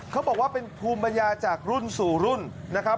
เขาบอกว่าเป็นภูมิปัญญาจากรุ่นสู่รุ่นนะครับ